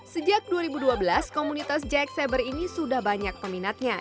sejak dua ribu dua belas komunitas jack saber ini sudah banyak peminatnya